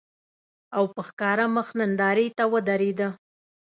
او په ښکاره مخ نندارې ته ودرېده